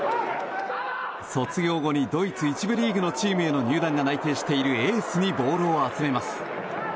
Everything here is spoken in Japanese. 卒業後にドイツ一部リーグのチームへの入団が内定しているエースにボールを集めます。